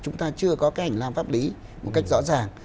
chúng ta chưa có cảnh làm pháp lý một cách rõ ràng